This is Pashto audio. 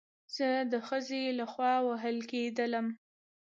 زه د خځې له خوا وهل کېدلم